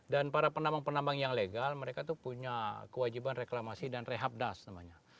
dan para penambang penambang yang legal mereka itu punya kewajiban reklamasi dan rehab das namanya